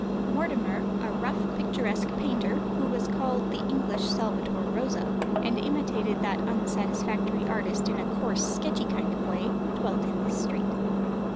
Mortimer, a rough, picturesque painter, who was called "the English Salvator Rosa," and imitated that unsatisfactory artist in a coarse, sketchy kind of way, dwelt in this street.